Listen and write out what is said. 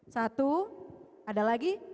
satu ada lagi